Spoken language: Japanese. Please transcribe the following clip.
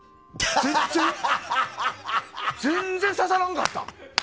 全然、刺さらんかった？